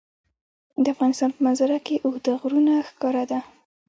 د افغانستان په منظره کې اوږده غرونه ښکاره ده.